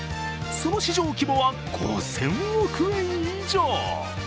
その市場規模は５０００億円以上。